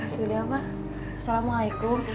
sudah mak assalamu'alaikum